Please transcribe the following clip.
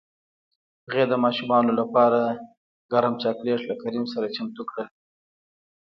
هغې د ماشومانو لپاره ګرم چاکلیټ له کریم سره چمتو کړل